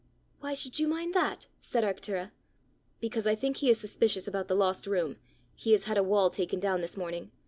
"Why should you mind that?" said Arctura. "Because I think he is suspicious about the lost room. He has had a wall taken down this morning.